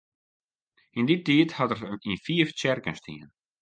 Yn dy tiid hat er yn fiif tsjerken stien.